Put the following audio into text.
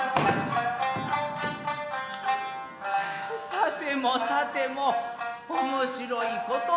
さてもさても面白いことでおりゃる。